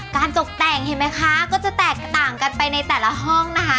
ตกแต่งเห็นไหมคะก็จะแตกต่างกันไปในแต่ละห้องนะคะ